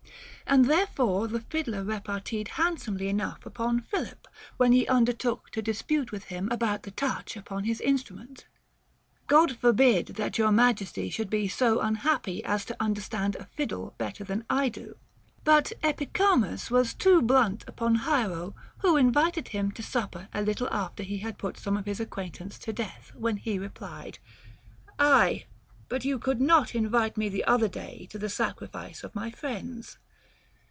And therefore the fiddler rcparteed handsomely enough upon Philip, when he un dertook to dispute with him about the touch upon his instrument: God forbid that your majesty should be so unhappy as to understand a fiddle better than I do. But Epicharmus was too blunt upon Hiero, who invited him to 142 HOW TO KNOW A FLATTERER supper a little after he had put some of his acquaintance to death, when he replied, Aye, but you could not invite me the other day to the sacrifice of my friends.